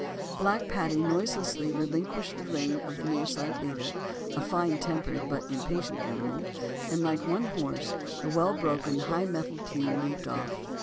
Black Paddy noiselessly relinquished the rein of the nearside leader, a fine tempered, but impatient animal, and like one horse, the well broken, high mettled team moved off.